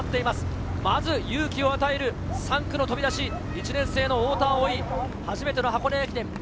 まず勇気を与える３区の飛び出し、１年生の太田を追い、初めての箱根駅伝。